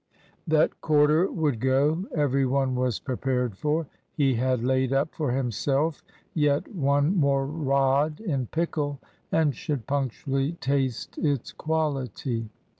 That Corder would go, every one was prepared for. He had laid up for himself yet one more rod in pickle, and should punctually taste its quality.